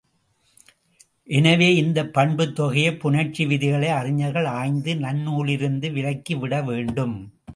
எனவே இந்தப் பண்புத் தொகைப் புணர்ச்சி விதிகளை அறிஞர்கள் ஆய்ந்து நன்னூலிலிருந்து விலக்கிவிட வேண்டும்.